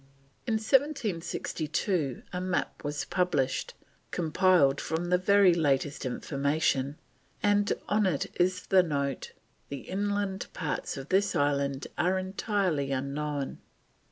In 1762 a map was published, compiled from the very latest information, and on it is the note: "The inland parts of this island are entirely unknown."